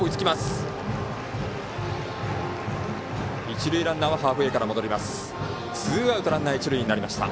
一塁ランナーはハーフウエーから戻りました。